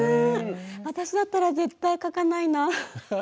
私だったら絶対描かないな。